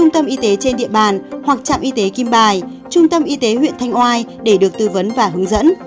trung tâm y tế trên địa bàn hoặc trạm y tế kim bài trung tâm y tế huyện thanh oai để được tư vấn và hướng dẫn